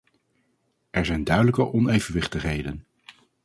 Er zijn duidelijke onevenwichtigheden.